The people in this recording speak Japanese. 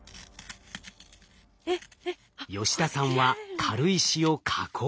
吉田さんは軽石を加工。